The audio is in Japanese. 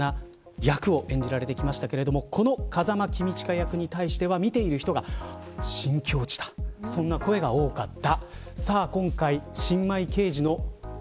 さまざまな役を演じられてきましたがこの風間公親役に対しては見ている人から新境地だ、という声が多かった。